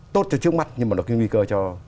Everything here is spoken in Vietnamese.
tốt cho trước mắt nhưng mà được cái nguy cơ cho